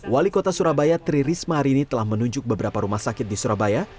wali kota surabaya tri risma hari ini telah menunjuk beberapa rumah sakit di surabaya